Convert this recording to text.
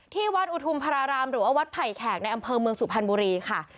ที่วัดอุทุมภารารามหรือว่าวัดไผ่แขกในอำเภอเมืองสุพรรณบุรีค่ะ